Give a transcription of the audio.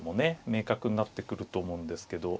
明確になってくると思うんですけど。